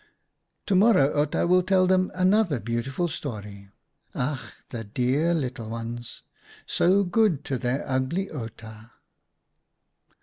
To morrow Outa will tell them another beautiful story. Ach, the dear little ones ! So good to their ugly Outa